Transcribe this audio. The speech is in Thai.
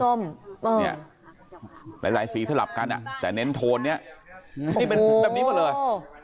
เหมือนส้มเนี่ยหลายหลายสีสลับกันอ่ะแต่เน้นโทนเนี้ยนี่เป็นแบบนี้หมดเลย